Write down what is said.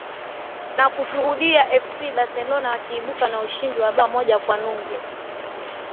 na kushuhudia fc barcelona wakiibuka na ushindi wa bao moja kwa nunge